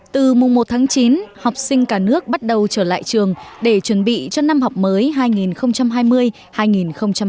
từ mùng một tháng chín học sinh cả nước bắt đầu trở lại trường để chuẩn bị cho năm học mới hai nghìn hai mươi hai nghìn hai mươi một